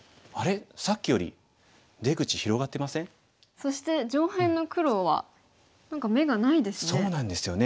そして上辺の黒は何か眼がないですね。